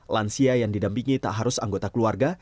lansia yang didampingi tak harus anggota keluarga